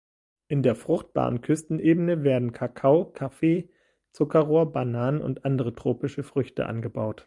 In der fruchtbaren Küstenebene werden Kakao, Kaffee, Zuckerrohr, Bananen und andere tropische Früchte angebaut.